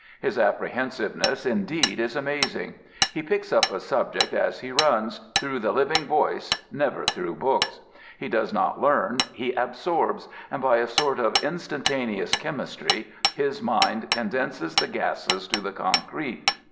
His apprehensiveness, indeed, is amazing. He picks up a subject as he runs, through the living voice, never through books. He does not learn : he absorbs, and by a sort of instan taneous chemistry his mind condenses the gasS to the concrete.